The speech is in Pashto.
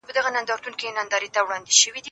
زه هره ورځ سپينکۍ پرېولم؟